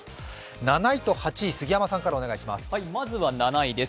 ７位と８位、杉山さんからお願いします。